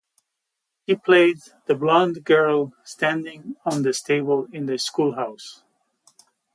She played the Blonde Girl standing on the table in the schoolhouse.